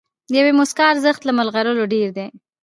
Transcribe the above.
د یوې موسکا ارزښت له مرغلرو ډېر دی.